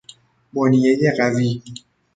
بنیهی قوی